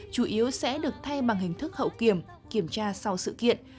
chủ yếu sẽ được thay bằng hình thức hậu kiểm kiểm tra sau sự kiện